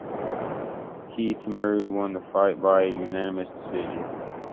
He Tamaru won the fight by unanimous decision.